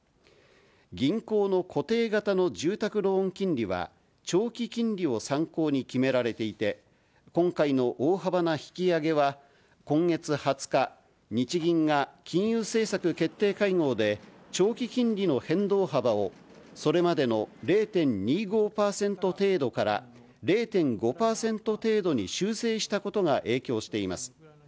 銀行の固定型の住宅ローン金利は、長期金利を参考に決められていて、今回の大幅な引き上げは、今月２０日、日銀が金融政策決定会合で、長期金利の変動幅を、それまでの０．２５％程度から０．５％程度に修正したことが影響しています。